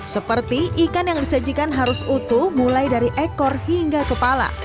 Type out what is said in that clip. seperti ikan yang disajikan harus utuh mulai dari ekor hingga kepala